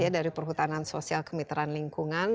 dari perhutanan sosial kemitraan lingkungan